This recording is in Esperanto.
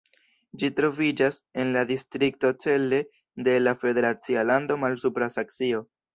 Ĝi troviĝas en la distrikto Celle de la federacia lando Malsupra Saksio.